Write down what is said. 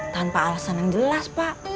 tanpa alasan yang jelas pak